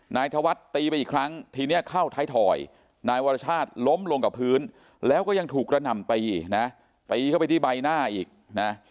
นายธวัฒน์ตีไปอีกครั้งทีนี้เข้าท้ายถอยนายวรชาติล้มลงกับพื้นแล้วก็ยังถูกกระหน่ำตีนะตีเข้าไปที่ใบหน้าอีกนะ